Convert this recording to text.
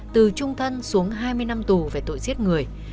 từ trung thân xuống hai mươi năm tù về tội giết người